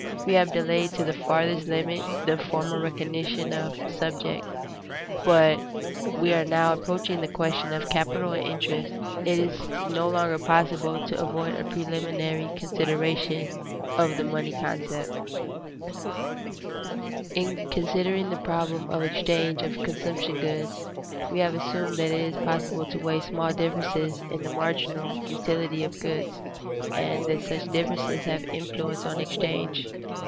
We have delayed to the farthest limit the formal recognition of the subject; but we are now approaching the question of capital and interest, and it is no longer possible to avoid a preliminary consideration of the money concept. [Sidenote: Exact measurement of utilities is not possible without some medium of exchange] In considering the problem of exchange of consumption goods, we have assumed that it is possible to weigh small differences in the marginal utility of goods, and that such differences have influence on exchange.